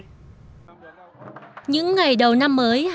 những ngày đầu năm mới hai nghìn một mươi tám